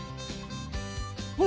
ほら